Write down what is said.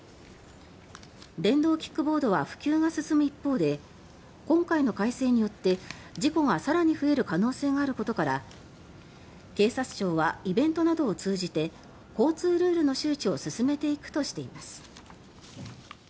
電動キックボードは普及が進む一方で今回の改正によって事故が更に増える可能性があることから警察庁はイベントなどを通じて交通ルールの周知を進めていくとしています。